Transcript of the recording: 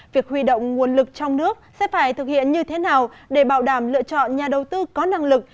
việc huy động nguồn lực trong nước sẽ phải thực hiện như thế nào để bảo đảm lựa chọn nhà đầu tư có năng lực